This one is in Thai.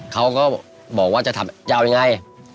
เขาก็บอกว่าจะเอายังไง